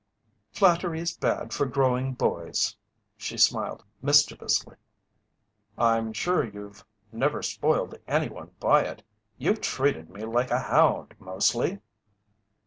"Flattery is bad for growing boys," she smiled mischievously. "I'm sure you've never spoiled any one by it. You've treated me like a hound, mostly."